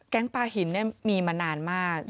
ปลาหินมีมานานมาก